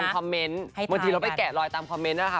บางทีเราไปแกะลอยตามคอมเมนต์นะคะ